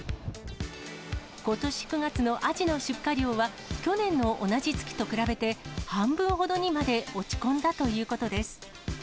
ことし９月のアジの出荷量は、去年の同じ月と比べて、半分ほどにまで落ち込んだということです。